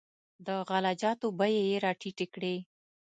د غله جاتو بیې یې راټیټې کړې.